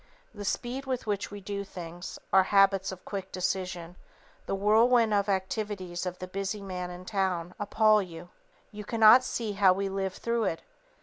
The speed with which we do things, our habits of quick decision, the whirlwind of activities of the busy man in town, appal you. You cannot see how we live through it.